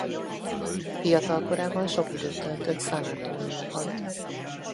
Fiatalkorában sok időt töltött San Antonióban.